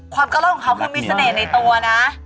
ความกระร่อนของเขามีเสน่ห์ในตัวนะ